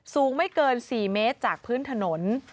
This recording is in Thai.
สูงไม่เกิน๔เมตรจากพื้นถนน